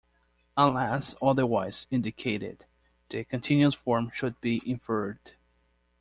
Unless otherwise indicated, the continuous form should be inferred.